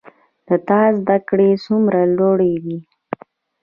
د تا زده کړي څومره لوړي دي